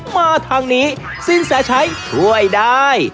มาทางนี้ซิ่นแสตร์ใช้ช่วยได้